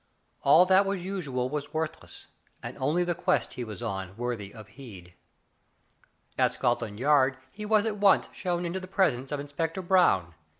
All that was usual was worthless, and only the quest he was on worthy of heed. At Scotland Yard he was at once shown into the presence of Inspector Brown.